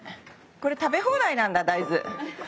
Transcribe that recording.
これ食べ放題なんだ大豆。